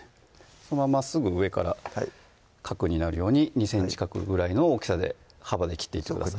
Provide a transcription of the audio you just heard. そのまままっすぐ上から角になるように２ｃｍ角ぐらいの大きさで幅で切っていってください